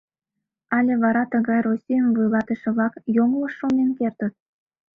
Але вара тыгай Российым вуйлатыше-влак йоҥылыш шонен кертыт?